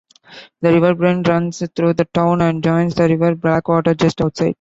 The River Brain runs through the town and joins the River Blackwater just outside.